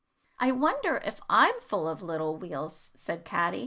"I wonder if I am full of little wheels," said Caddy.